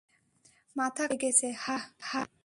মাথা খারাপ হয়ে গেছে, হাহ?